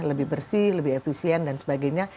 lebih bersih lebih efisien dan sebagainya